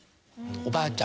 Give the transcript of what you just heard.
おばあちゃん